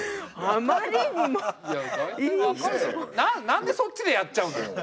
なんでそっちでやっちゃうのよ。